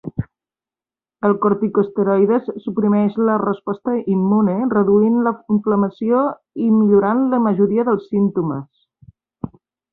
El corticosteroides Suprimeix la resposta immune, reduint la inflamació i millorant la majoria dels símptomes.